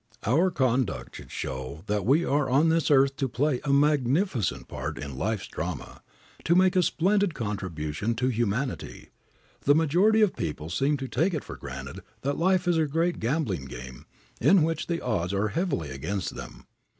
Our conduct should show that we are on this earth to play a magnificent part in life's drama, to make a splendid contribution to humanity. The majority of people seem to take it for granted that life is a great gambling game in which the odds are heavily against them.